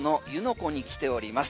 湖に来ております。